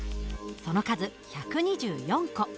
その数１２４個。